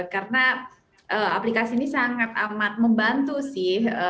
karena aplikasi ini sangat amat membantu sih